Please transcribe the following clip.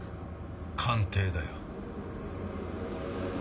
鑑定だよ。